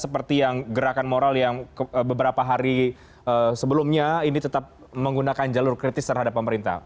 seperti yang gerakan moral yang beberapa hari sebelumnya ini tetap menggunakan jalur kritis terhadap pemerintah